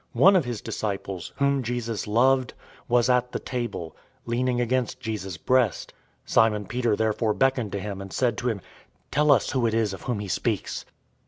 013:023 One of his disciples, whom Jesus loved, was at the table, leaning against Jesus' breast. 013:024 Simon Peter therefore beckoned to him, and said to him, "Tell us who it is of whom he speaks."